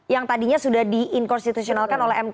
yang tadinya sudah diinkonstitusionalkan oleh mk